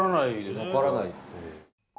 分からないですけど。